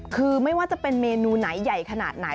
คือไม่ว่าจะเป็นเมนูไหนใหญ่ขนาดไหน